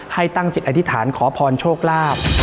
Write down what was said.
ให้ตั้งจิตอธิษฐานขอพรโชคลาภ